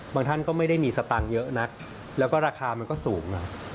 ท่านก็ไม่ได้มีสตางค์เยอะนักแล้วก็ราคามันก็สูงนะ